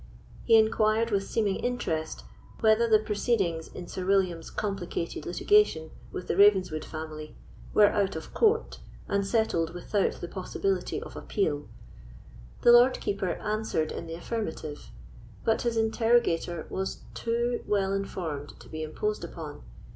He inquired with seeming interest, whether the proceedings in Sir William's complicated litigation with the Ravenswood family were out of court, and settled without the possibility of appeal. The Lord Keeper answered in the affirmative; but his interrogator was too well informed to be imposed upon.